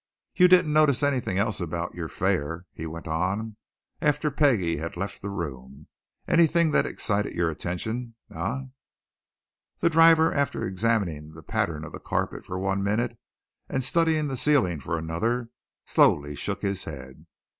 You didn't notice anything else about your fare?" he went on, after Peggie had left the room. "Anything that excited your attention, eh?" The driver, after examining the pattern of the carpet for one minute and studying the ceiling for another, slowly shook his head.